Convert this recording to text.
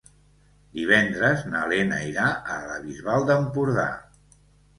Divendres na Lena irà a la Bisbal d'Empordà.